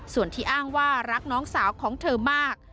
ส่วนที่อ้างว่ารักน้องสาวของเธอมาก